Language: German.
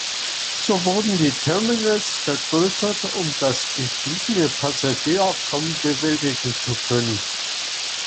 So wurden die Terminals vergrößert, um das gestiegene Passagieraufkommen bewältigen zu können.